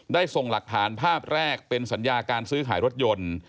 ส่งหลักฐานภาพแรกเป็นสัญญาการซื้อขายรถยนต์